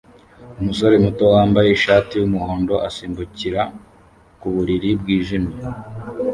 Umusore muto wambaye ishati yumuhondo asimbukira ku buriri bwijimye